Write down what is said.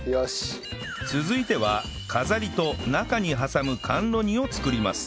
続いては飾りと中に挟む甘露煮を作ります